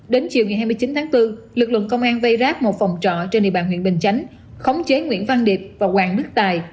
đến chiều ngày hai mươi chín tháng bốn lực lượng công an vây rác một phòng trọ trên địa bàn huyện bình chánh khống chế nguyễn văn điệp và hoàng đức tài